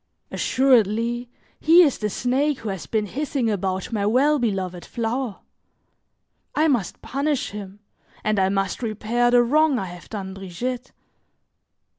Assuredly, he is the snake who has been hissing about my well beloved flower. I must punish him, and I must repair the wrong I have done Brigitte.